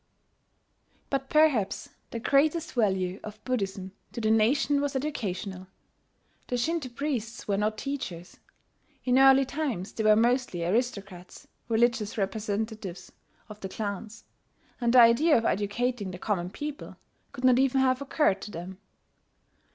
] But perhaps the greatest value of Buddhism to the nation was educational. The Shinto priests were not teachers. In early times they were mostly aristocrats, religious representatives of the clans; and the idea of educating the common people could not even have occurred to them.